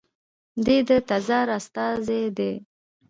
دی د تزار استازی دی.